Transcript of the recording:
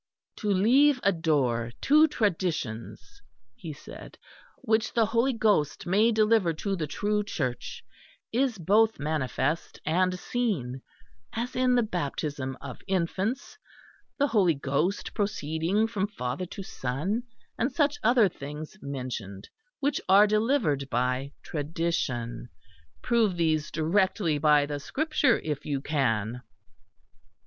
"To leave a door to traditions," he said, "which the Holy Ghost may deliver to the true Church, is both manifest and seen: as in the Baptism of infants, the Holy Ghost proceeding from Father to Son, and such other things mentioned, which are delivered by tradition. Prove these directly by the Scripture if you can!"